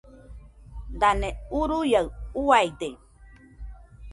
Dane uruaiaɨ uaide.